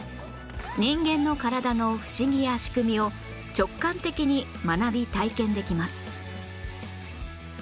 人間の体の不思議や仕組みを直感的に学び体験できます